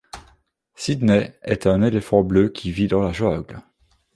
Sidney est un éléphant bleu qui vit dans la jungle.